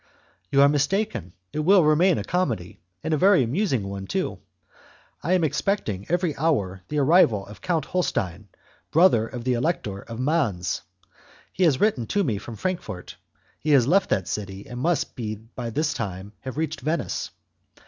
"You are mistaken; it will remain a comedy, and a very amusing one, too. I am expecting every hour the arrival of Count Holstein, brother of the Elector of Mainz. He has written to me from Frankfort; he has left that city, and must by this time have reached Venice.